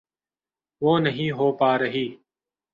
وہ نہیں ہو پا رہی۔